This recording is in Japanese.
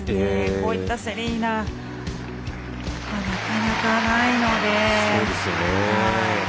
こういったセリーナはなかなか、ないので。